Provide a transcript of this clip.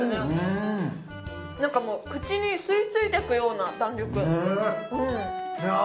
うんなんかもう口に吸い付いてくような弾力ねっ